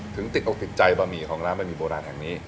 ถึงติดอกติดใจบะหมี่ของร้านบะหมี่โบราณแห่งนี้